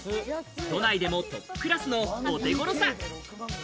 都内でもトップクラスのお手頃さ。